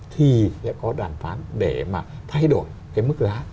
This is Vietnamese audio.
thì sẽ có đàm phán để mà thay đổi cái mức giá